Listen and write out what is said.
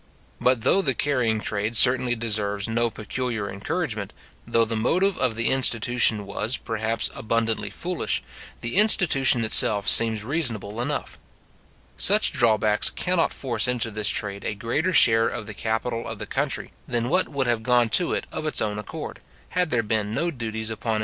But though the carrying trade certainly deserves no peculiar encouragement, though the motive of the institution was, perhaps, abundantly foolish, the institution itself seems reasonable enough. Such drawbacks cannot force into this trade a greater share of the capital of the country than what would have gone to it of its own accord, had there been no duties upon importation; they only prevent its being excluded altogether by those duties.